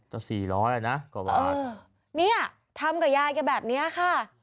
สี่ร้อยอ่ะนะกว่าบาทเนี่ยทำกับยายแกแบบเนี้ยค่ะ